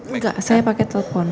tidak saya pakai telepon